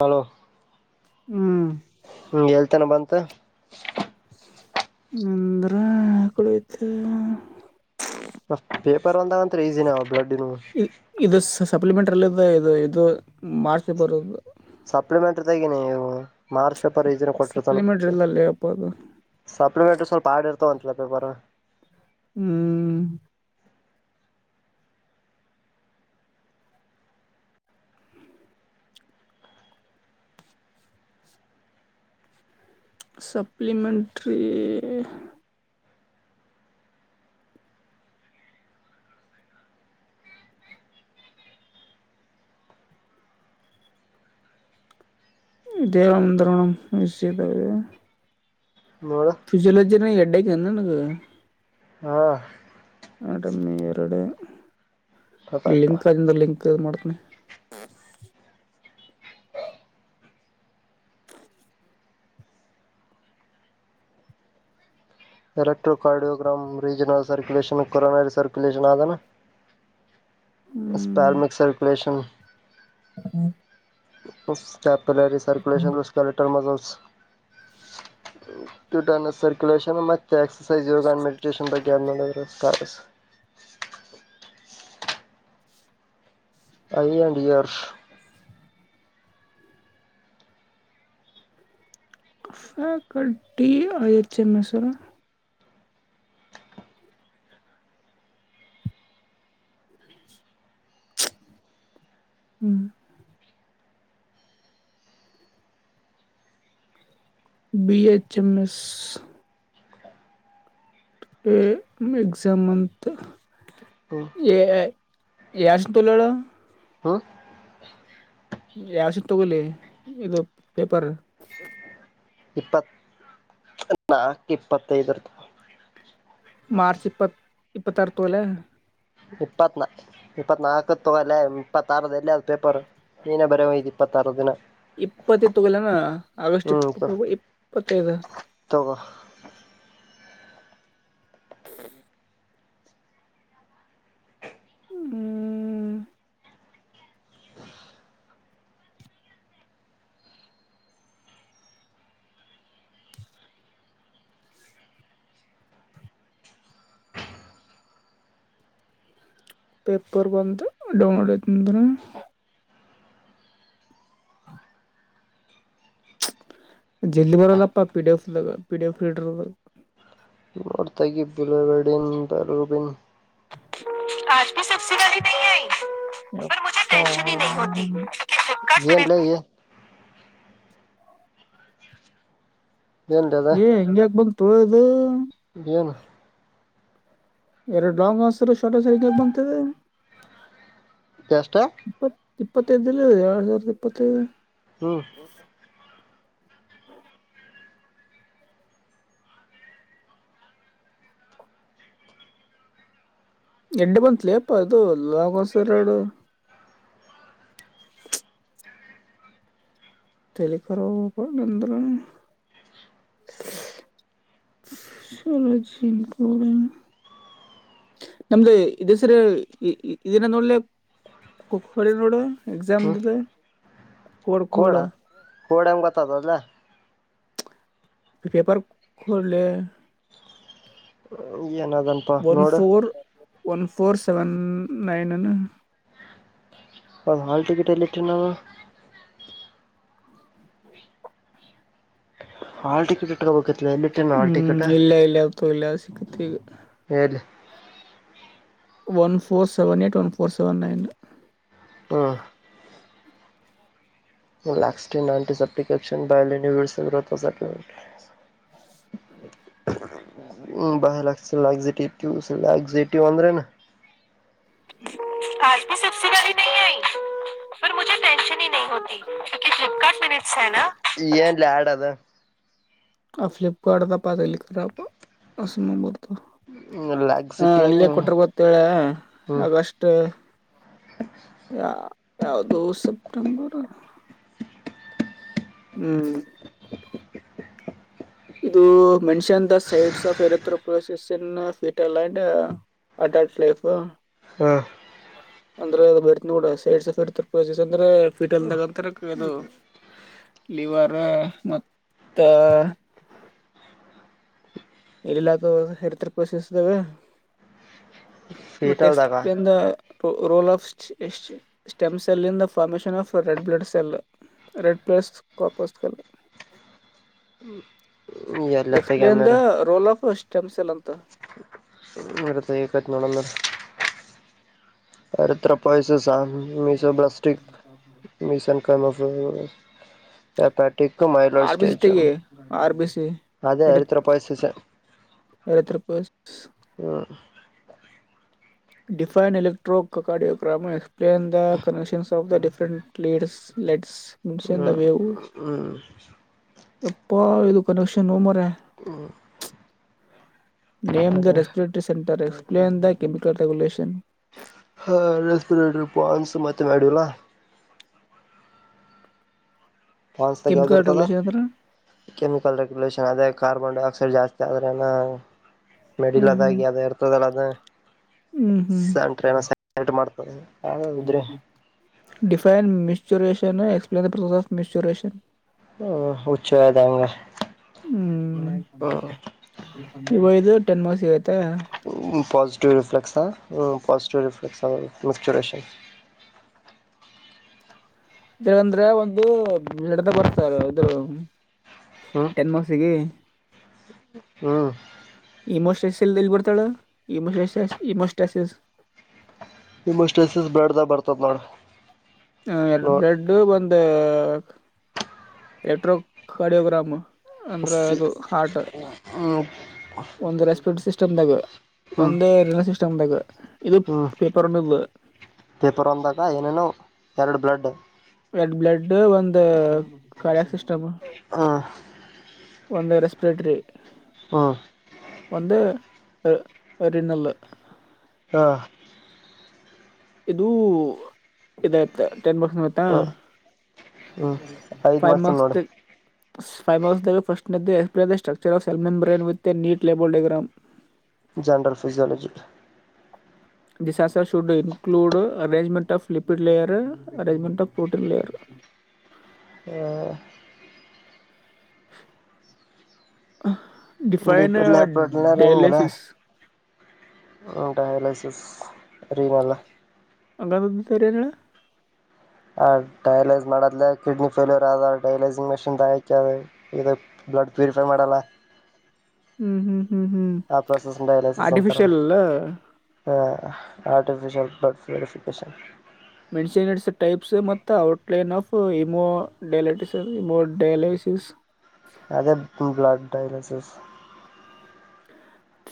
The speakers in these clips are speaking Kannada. ಹಲೋ ಹ್ಮ್ ಹ ಹೇಳ್ತೇನೆ ಬಂತ ಎಂದ್ರೆ ಕುಡತ್ತು [inaudible] ಪೇಪರ್ ಒಂದಾಗತ್ ಈಸಿನ ಬ್ಲಡ್ಿನ ಸಪ್ಲಿಮೆಂಟಲ್ಲಿ ಇದು ಇದು ಮಾಡ್ಸಿ ಬರುದು [inaudible] ಸಪ್ಲಿಮೆಂಟರಿ ತಗ ನೀವ ಮಾರ್ಚ್ ಪೇಪರ್ ಈಿನ ಕೊಟ್ಟಿರ್ತಾನ ಸಪ್ಲಿಮೆಂಟ್ರಿ ಇಲ್ಲ ಅಲ್ಲಪ್ಪ ಅದು ಸಪ್ಲಿಮೆಂಟ್ರ ಸ್ವಲ್ಪ ಆಡಿರ್ತ [unintelligible] ತ್ತ ಒಂತಲ ಪ ಬರ [unintelligible] ಹ್ಮ್ ಸಪ್ಲಿಮೆಂಟ್ರಿ ಇದೇ ಅಂದ್ರ ನಷಿದಾವ [unintelligible] ನೋಡು ಫಜಿಯೋಲಜಿ ನ ಹೆಡ್ಡಐಂದ ನಗೆ [unintelligible] [inaudible] ಹಾ ಆ ಮೇರ್ಡೆ ಪರ್ಫೆಕ್ಟ್ ಲಿಂಕ್ ಅದಂದ ಲಿಂಕ್ [unintelligible] [inaudible] [inaudible] ಮಾಡ್ತನಿ electrocardiogram regional circulation coronary circulation ಆದದ [unintelligible] ಹ್ಮ್ ಎಪೇರ್ಮಕ್ ಸರ್ಕುಲೇಷನ್ ಚಲೆರಿ ಸರ್ಕುಲೆಷನ್ ರಸ್ಕಲೆಟರ್ ಮಸ್ [unintelligible] ಟಟ ಸರ್ಕ್ಯುಲೇಷನ್ ಮತ್ತೆ ಎಕ್ಸಸೈಸ್ ಯ ಮೆಡಿಟೇಷನ್ ಬಗ್ಗೆ ನೋಡ ಸ್ಟ [unintelligible] ಬ [unintelligible] ಐ ಎನ್ಂಡ ಇಯರ್ಫ [unintelligible] ಕಟ್ಟಿ ಯಚ್ ಎಮ್ಮಸರ್ [inaudible] ಹ್ಮ್ ಬಿ ಹೆಚ್ ಎಮ ಎಸ್ ಎ ಎಕ್ಜಾಮಂತ ಹ್ಮ್ ಎ ಆಯ ಯಷ್ಟ ತುಳ್ಳಳ [unintelligible] ಹ್ಮ್ ಯಸ ತಗಲಿ ಇದು ಪೇಪರ್ ನಾಕು ಇಪ್ಪತ್ತೈದುರ್ತ [inaudible] ಮಾರ್ಚ್ ಇಪ್ಪತ್ ಇಪ್ಪತ್ತರ ತೊಲ ಇಪ್ಪತ್ನಾ ಇಪ್ಪತ್ನಾಾಲ್ಕ ತಗಲ್ಲ ಇಪ್ಪತ್ತಾರದ ಎಲ್ಲಿ ಅದು ಪೇಪರ್ [unintelligible] [inaudible] ನೀನೇ ಬರ ಎಪ್ಪತ್ತುರು ದಿನ ಇಪ್ಪತ್ತ ತಗಲನಾ ಆಗಸ್ಟ್ ಹ್ಮ್ ಇಪ್ಪತ್ ಇಪ್ಪತ್ತೈದು [unintelligible] ತಗೋ ಓಹ್ [unintelligible] ಹ್ಮ ಪೇಪರ್ ಬಂತ ಡೌನ್ಲೋಡ್ ಅಐತಂದಾನ ಜಲ್ಲಿ ಬರಲ್ಲಪ್ಪ ಪಿಡಿಎಫ್ ಪಿಡಿಎಫ್ ರೀರ್ ಕೊರ್ತಾಗಿ ಬಲಡ ಬೂಬನ್ ಆಜಲಿ ಸಬ್ಸ ಗಿ ನೀ ಆಯ ಮುೆ ಟೆಷನ್ ನೀ ಹತಿ [inaudible] ಕ್ಕ ಏನ್ಲ [inaudible] ಏ ಹೆಂಗ್ಯಾಕ ಬಂಗ್ ತೋಯದು ಬನು [inaudible] ಎರಡು ಡಾಂಗ್ ಹಸರು ಟ ಸ ಬಂತಿದೆ [unintelligible] ಯಷ್ಟು ಇಪ್ಪತ್ತೈದುಲ್ಲ ಎರಡು ಸಾವಿರದ ಇಪ್ಪತ್ತೈದು ಹ್ಮ್ ಹ್ಮ ಎಡ್ಡೆ ಬತ್ಲಿ ಅಪ್ಪ ಅದು ಲಗೋಸರ ಎರಡು [unintelligible] ತಲ ಕರಬ ಅಂದ್ರ ಸಲೋಜ ಶಲ್ಪ ನಮ್ದ ಇ ಸರಿ ಇದನ ನೋಡ್ಲಿ ನೋಡು ಎಕ್ಸಾಮ ಹ್ಮ್ ದದೆ ಕೊಡ ಕೊರ ಕೋಡ ಕೋಡ್ ಹೆಂಗ್ ಗೊತ್ತದಲ್ಲ ಪೇಪರ್ ಕೊಲೆ ಏನದನಪಾ ನೋಡ ಒನ್ ಫೋರ್ ಸೆವೆನ್ ನೈನ್ನ್ ಅವ ಹಾಲ್ ಟಿಕೆಟಲಿಟ್ರ ನಮ್ಮ ಹಾಳ್ ಟಿಕೆಟ್ ಇಟ್ಕೋಬೇಕತ್ ಎಲ್ಲಿ ಇಟ್ಟೇನು ಹಾಳ್ ಹ್ಮ್ ಟಿಕೆಟ್ ಇಲ್ಲ ಇಲ್ಲ ಅದು ಇಲ್ಲ ಸಿಕ್ಕತ್ ಈಗ ಎಲ್ಲಿ one four seven eight one four seven nine ಹ್ಮ ಟ್ಟ ಬ [inaudible] ಹ್ಮ ಬಸಟ ಇಕ್ ಇಟಿವ ಅಂದ್ರೆನ ಕಲ್ತಿ ಸಸಿರಿ ನೀ ಆಐ [inaudible] ಸ ಮುಜಿ ಟೆಷನ್ ಹ ನೀ ಹೊತಿ ಕಿ ಫಲಪಕಾರ್ಟ ಮಿನಿಟ್ಸ್ ನ ಏನ್ಲ ಆಡ್ ಅದ ಆ ಫ್ಲಲಿಪ್ಕಾರ್ಟ ಅದಪ್ಪಲ್ಲಿರ ಅ ನಬ ಹಾ ಲ್ಯಾಕ್ಸಿಟಿನ್ ಇಲ್ಲೇ ಕೊಟರು ಗೊತ್ತೇಳ ಹ್ಮ್ ಆಗಷ್ಟು ಯ ಯಾದು ಸೆಪ್ಟೆಂಬರ್ ಹ್ಮ್ ಇದು mention the sites of erythropoiesis in ಫೀಟರ್ಲ್ಂಡ್ ಆ ಕಟ್ಲಿಫ ಹಾ ಅಂದ್ರೆ ಅದು ಬ ನೋಡ ಸೈಡ್ಫಸ್ ಅಂದ್ರೆ ಫೀಟ್ ಅಲ್ದಂತದು ಲಿವರ್ ಮತ್ತು ಇಲ್ಲಿಲ್ಲಕ ಹರ್ತ ಕೋಷಿಸ್ದಾವ ಮತ್ತೆ ಎಕ್ಸ್ ಫೀಟಲ್ದಾಗ ಪಲೇನ್ ರ role of stem cell in the formation of red blood cell red plus ಕಾಪಸ್ colour hmm explain the role of stems ಎಲ್ಂತ ಇರ ತ ಕತ್ನೊಡಂದರ್ ಅವತ್ರ ಪಯಸ ಸಾ ಮೀಸ ಬ್ಲಾಸ್ಟಕ್ ಮೀಸನ್ ಕಫ ವಪಾಟಿಕ ಮೈಲೂರ್ ಆರ್ ಬಿ ಸಿ ಸ್ಟೇಜಂ ತೆಗಿ ಆರ್ ಬಿ ಸಿ ಅದೇ ಎತರ ಪಾಯಸಸ ಯರೆತ್ರ ಪಸ್ ಹ್ಮ defined electrocardiogram explain the connections of the different ಪಡ್ಸ್ let's ಹ್ಮ ಹ್ಮ ಎಪ್ಪಾ ಇದು ಕನಕ್ಷನ್ ಮರ ನೇಮ್ ದ ಅದೇ respiratory centre explain the chemical regulation ಹಾಂ ರೆಸ್ಪಿರೇಟರ್ ಪಾನ್ಸು ಮತ್ತೆ ಮಾಡಲ ಫಾನ್ಸ್ ಯಾವ್ದ ಕೆಮಿಕಲ್ ಇರ್ತದ ರೆಗ್ಯುಲೇಷನ್ ಅಂದ್ರೆ ಕೆಮಿಕಲ್ ರೆಗ್ಯುಲನ್ ದೇ ಕಾರ್ಬನ್ ಡೈ ಆಕ್ಸೈಡ್ ಜಾಸ್ತಿ ಆದ್ರ ಮೆಡಿಲ್ ಹ್ಮ್ ಅದಾಗಿ ಅದ ಇರ್ತದಲ್ಲ ಅದ ಹ್ಮ್ ಹ್ಮ್ ಹ್ಮ್ [unintelligible] define micturition explain the process ಆ್ ಮಿಸ್ಟೂರೇಶನ್ [unintelligible] ಹ್ಮ್ ಇವೈದು ಟೆನ್ ಮಾರ್ಸಿಗ ಪೊಾಸಿಟಿವಿವ್ ರಿಫ್ಲೆಕ್ಸ್ ಹ್ಞ ಪಾಸಿಟಿವ್ ರಿಫ್ಲೆಕ್ಟ್ಸ್ ಆ ಮ್ಲಿಕ್ಚುರೇಷನ್ ಇದಂದ್ರೆ ಒಂದು ಎಡತ ಬರ್ತಾರ ಇದರು ಟೆನ್ ಮಾರ್ಕ್ಸಿಗೆ ಹೂ ಇಮೋಸ್ಟಸ್ಸ ಎಲ್ಲಿ ಬರ್ತಾಳ ಇಮೋಸ್ ಇಮೋಸ್ಟಸಸ್ ನಿಮಮ್ಮಷ್ಟ ಎಸಸ್ ಬೇಡದಾಗ ಬರ್ತದ ನೋಡ ಹ ಎರಡು ನೋಡ ಬ್ರೆಡ್ಡ್ ಒಂದು ಎಟ್ರೋ ಕೊಡಿಯೋಗ್ರಾಮ್ ಅಂದ್ರೆ ಅದು ಹಾರ್ಟ ಹ್ಮ್ ಒಂದು ರೆಸ್ಪೆಟ್್ಟ ಸ್ಟಮ್ದಾಗ ಹ್ಮ್ ಒಂದು ರಲ್ವೆ ಸಿಸ್ಟಮ್ದಾಗ ಇದು ಹ್ಮ್ ಪೇಪರ್ ಅನ್ನೋದು ಪೇಪರ್ ಒಂದಾಗ ಏನೇನುೋ ಎರಡು ಬ್ಲಡ್ ಎೆಡ್ ಬ್ಲಡ್ ಒಂದು ಕಾಯಕ್ ಸಿಸ್ಟಮ್ ಹ ಒಂದು ರೆಸ್ಪಿರೇಟರಿ ಹ್ಮ ಒಂದು ರಿನಲ್ಲ ಹಾ ಇದು ಇದತ ಟನ್ ಮಾರ್ಕ್ಸ್ವೂ ಐತ ಹ ಹ್ಮ್ ಐದ್ ಫೈವ್ ನೋಡು ಮಾರ್ಕ್ಸ್ ಫೈವ್ ಮಾರ್ಕ್ಸ್ದಾಗ ಫಸ್ಟ್ನೆಡು explain the structure of cell membrane with a neat label diagram general physiology this also should include arrangement of lipid layer arrangement of protein layer [inaudible] define ಡಿಪಿಡ್ಲ ಡಯಾಲಿಸಿಸ ಡಯಾಲಸಿಸ್ ರೀನಲ್ಲ ಅಂಗಂದು [unintelligible] ಆ ಡಯಲೈಸ್ ಮಾಡದಲ ಕಿಡ್ನಿ ಫೇಲ್ಯೂರ್ ಆದದ ಡೈಲೈಸಿಂಗ್ ಮೆಷಿನ್ಕ ಅದ ಇದ ಬ್ಲಡ್ ಪ್ಯೂರಿಫೈ ಮಾಡೋಲ್ಲ ಹ್ಮ್ ಹ್ಮ್ ಹ್ಮ್ ಹ್ಮ್ process dialysis artificial artificial blood purification mention its types ಮತ್ತು ಔಟ್ಲೈನ್ ಆಫ್ ಇಮೋ ಡಾಲಟಿಸ ಇಮೋಡೈಲಿಸ್ [inaudible] ಅದೇ blood dialysis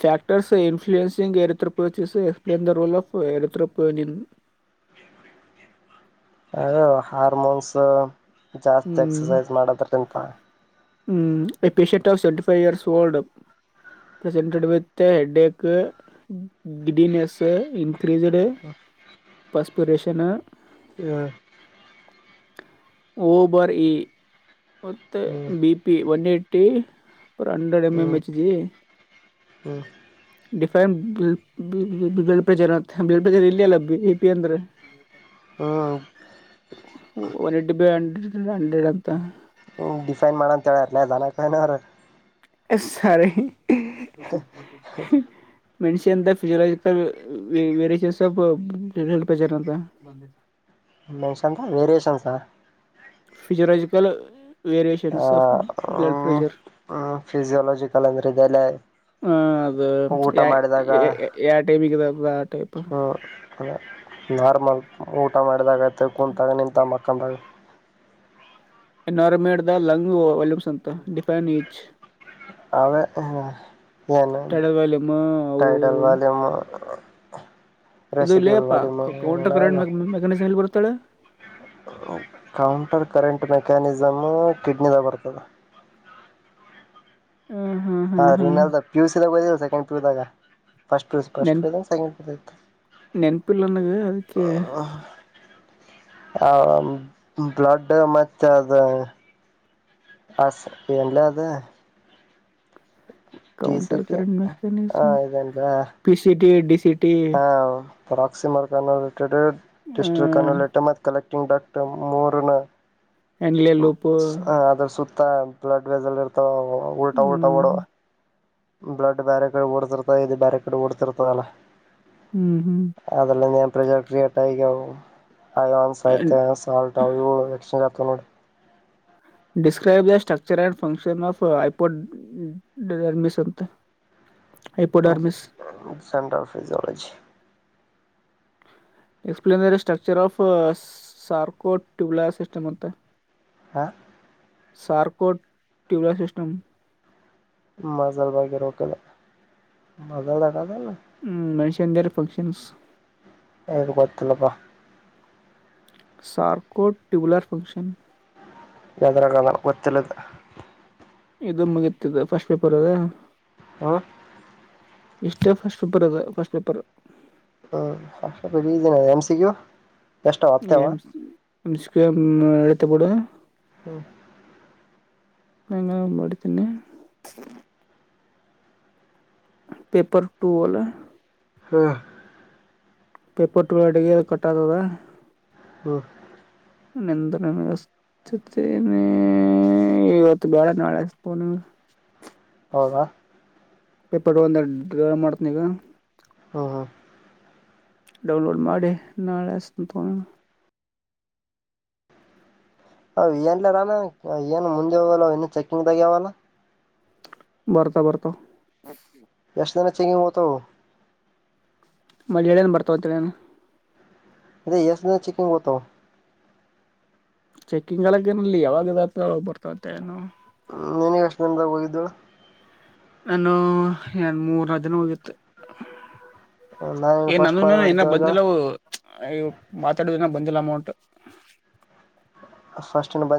factors influencing erythropoiesis explain the role of ಏರ್ತೋಪೇನಿನ್ [unintelligible] ಅದು ಹಾರ್ಮೋನ್ಸ್ ಜಾಸ್ತಿ ಹ್ಮ್ ಎಕ್ಸಸೈಸ್ ಮಾಡೋದ್ರಂ ಹ್ಮ್ efficient of seventy five years old up. Presented with headache giddiness increased perspiration [inaudible] ಓ ಬಾರ್ ಇ ಮತ್ತೆ ಹ್ಮ್ ಬಿಪಿ ಒನ್ವೈಟಿ ಅ hundred M M H G ಹ್ಮ define blood pressure blood pressure ಇಲ್ಲಿ ಅಲ್ಲ ಬಿ ಪಿ ಅಂದ್ರೆ ಹ್ಮ್ ಹ್ಮ್ ಹಂಡ್ರೆಡ್ ಅಂತ ಹ ಡಿಫೈನ್ ಮಾಡ ಅಂತ ಹೇಳುವ್ರೆ ಅವರು ದನ ಕಾಯೋನು ಅವ್ರು ಯಶ ಸರಿ. [unintelligible] ಮೆಷಿಂತ ಫಿಜಲಜಿಕಲ್ ಮ್ಯಜರ್ ಅಂತ. [unintelligible] ಮೆನ್ಷನ್ಸ ವೇರಿಯೇಷನ್ಸಾ. Physiological variations of blood pressure. ಹ್ಮ ಫಿಸಿಯೋಾಲಜಿಕಲ್ ಅಂದ್ರೆ ಇದೆಲ್ಲ. ಹ್ಮ ಅದು ಊಟ ಯ ಮಾಡಿದಾಗ ಯಾವ ಟೈಪ್ಿಗೆದು ಆ ಟೈಪ್. ಅದೇ ನಾರ್ಮಲ್ ಊಟ ಮಾಡಿದಾಗತ್ತೆ ಕುೂಂತಾಗ ನಿಂತ ಮಕ್ಕಂದಾಗ. ಎನ್ವೈರಮೆಂಟ್ ದ ಲಂಗ್ ವಾಲ್ಯೂಮ್ಸ್ ಅಂತ ಡಿಫೈನ್ ಈಚ್. ಅವೇ ಏನು ಟೈಡಲ್ ವಾಲ್ಯೂಮ್ ಅವು ಟೈಟಲ್ ಇವು ವಲ್ಮ. [unintelligible] ಇದು ಇಲ್ಲೇ ಅಪ್ಪಾ ವಂಟರ್ ಕರೆಂಟ್ ಮ ಮೆಕ್ಯಾನಿಸಂ ಎಲ್ಲಿ ಬರ್ತಾಳೆ. ಕೌಂಟರ್ ಕರೆಂಟ್ ಮೆಕ್ಯಾನಿಸಮ್ ಕಿಡ್ನಿದಾಗ ಬರ್ತದೆ. ಹ್ಮ್ ಹ್ಮ್ ಹಾ ಹ್ಮ್ ಹ್ಮ್ ರರಿನ್ಲ್ ಪ ಯುಸಿದಾಗ ೋದ ಸೆಕಂಡ್ ಪ ಯ ದಾಗ. ಫಸ್ಟ್ ಪ್ರ್ ಫಸ್ಟ್ ಪ್ರೇಜ ಸೆಕಂಡ್ ಪ್ರಜ. ಪಿಲ್ಲನಗೆ ಅದಕ್ಕೆ. ಹ ಬ್ಲಡ್ ಮತ್ತೆ ಅದ. ಅ ವಲ್ಲ ಅದ. ಕಾೌಂಟರ್ ಟಿ ಕಂಟ್ ಮೆಕ್ಯಾನಿಿಸಮ ಪಿ ಸಿಟ. [unintelligible] ಟಿಂಗ ಡಕ್ಟರ್ ಮೋರನಾ. Henle loop. ಸುತ್ತ ಬ್ಲಡ್ ವೆಜರ್ ಇರ್ತಾವ ಉಊಲ್ಟಾ ಉಊಲ್ಟ ಹ್ಮ್ ಓಡುವ. ಬ್ಲಡ್ ಬ್ಯಾರಕೇಡ್ ಓಡ್ತಿರ್ತದೆ ಇದು ಬ್ಯಾರಕೇಡ್ ಓಡ್ತಿರ್ತದಲ್ಲಾ. ಹ್ಮ್ ಹ್ಮ್. ಪ್ರೆಜರ್ ಕ್ರಿಯೇಟ್ ಆಗಿವುಯನ್ಸ್ ಆಯತ ಆಲ್ಟ್ ಇ ಎಕ್ಜ್ ಆತ ನೋಡಿ. ಡಿಸಸ್ಕ್ರಬ್ ದ ಸ್ಟ್ರಚರ್ಂಡ್ ಫಕ್ಷನ್ ಫ್ ಆಐಪೋಡ್ಂತ. ಸೆಂಟ್ರ physiology. [unintelligible] Explain a structure of sarcotubular system ಅಂತ. ಹಾ. Sarcotubular system. ಮಜಲ್ ಭಗೆ ರೋಕಲ್ಲ ಮಜಲ್ದಟತ. Their functions. ಹ ಕೊತ್ತಲ್ಲಪ್ಪ. Sarco tabular function. ಯತ್ರ ಕಾದ ಕೊಚ್ಚಲ್ಲ. ಇದು ಮುಗತದ ಫಸ್ಟ್ ಪೇಪರ್ ಅದ ಹ ಇಷ್ಟೇ ಫಸ್ಟ್ ಪೇಪರ್ ಅದ ಫಸ್ಟ್ ಪೇಪರ್ ಹ್ ಮ ಸಿ ಕ್ಯು ಎಳತ ಬಿಡುುವ. ಹ್ಮ. ನಂಗ ಒ ಮಾಡಡಿ ತನ್ನೆ. ಪೇಪರ್ ಟು ಒಲ್ಲಾ. ಹಾ. ಪೇಪರ್ ಟುಲ್ಟಿಗೆ ಕಟ್ಟತದ. ಹ್ಮ ನಿಂದು ನಿಮಸ್. ಚು ತ್ರಿಕೆ ಇವತ್ತು ಬೇಡ ಕ ಹೌದಾ. ಪೇಪಟ್ಟ ಒಂದಡ ಮಾಡ್ತ್ನಗ ಹಾ ಹಾ ಡೌನ್ಲೋಡ್ ಮಾಡಿ ನಾಳೆಷ್ಟಂತ ತೊಡ ಅ ಎಏನ್ಲ ರನಾ ಏನು ಮುಂದೆ ಇ ಇನು ಚೆಕ್ಕಿಂಗ್ ತಗವಲ್ಲ ಬರ್ತಾ ಬರ್ತಾ ಎಷ್ಟ್ ದಿನ ಚೆಂಗಿಂಗ ಓತವು ಮಳನ್ ಬರ್ತಾವಂತಏನು ಇದ ಎಷ್ಟ ದ ಚಿಕ್ಕಂಗ ಗೊತ್ತು ಚೆಕ್ಕಿಂಗ್ಕನಲ್ಲಿ ಯಾವಾಗ ಬರ್ತತ್ತ ಏನು ಹ್ಮ ನೀನಗ ಎಷ್ಟ ದಿನದ ಹೋಗಿದ್ದಳು ನಾನು ಎ ಮೂರದನ ಹೋಗ್ಯತ್ತೆ ನಾನೇನ್ ಏ ಫಸ್ಟ್ ನಂದ ಕಾಲ್ ಏನ ಮಾಡಿದ್ದೇವಾಗ ಬಂದಿಲ್ಲವು ಅಯ ಮಾತಾಡುದನ್ನ ಬಂದಿಲ್ಲ ಅಮೌಂಟ್ ಫಷ್ಟಿ ಬ